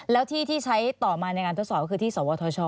แล้วที่ที่ใช้ต่อมาในการทดสอบก็คือที่สวทช